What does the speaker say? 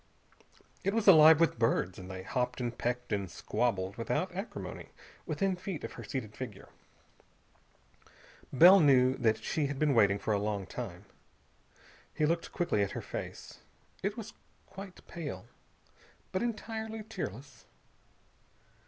It was alive with birds, and they hopped and pecked and squabbled without acrimony within feet of her seated figure. Bell knew that she had been waiting for a long time. He looked quickly at her face. It was quite pale, but entirely tearless.